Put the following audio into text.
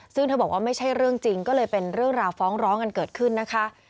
ซึ่งเธอบอกว่าไม่ใช่เรื่องจริงก็เลยเป็นเรื่องราวฟ้องร้องกันเกิดขึ้นนะคะ